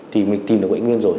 thì mình tìm được bệnh nguyên rồi